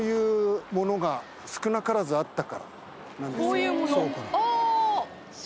こういうものあ！